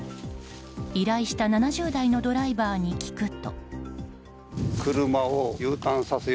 依頼した７０代のドライバーに聞くと。